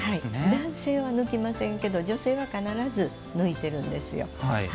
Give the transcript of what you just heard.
男性は抜きませんけど女性は必ず抜いてるんですよ。